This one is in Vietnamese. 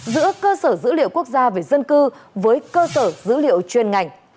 giữa cơ sở dữ liệu quốc gia về dân cư với cơ sở dữ liệu chuyên ngành